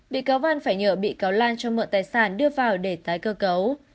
bị cáo văn phải nhờ bị cáo lan cho mượn tài sản đưa vào để tái cơ cấu